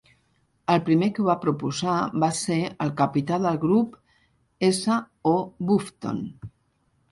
El primer que ho va proposar va ser el Capità del Grup S. O. Bufton.